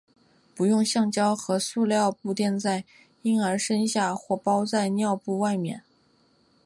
不用橡胶和塑料布垫在婴儿身下或包在尿布外面。